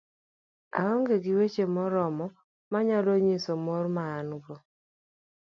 aong'e gi weche moromo manyalo nyiso mor ma an go